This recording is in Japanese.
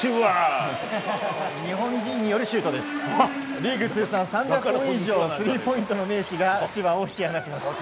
リーグ通算３００本以上スリーポイントの名手が千葉を引き離します。